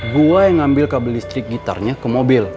gue yang ambil kabel listrik gitarnya ke mobil